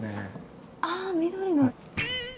ああ緑の。